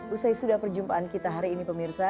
usai sudah perjumpaan kita hari ini pemirsa